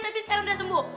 tapi sekarang udah sembuh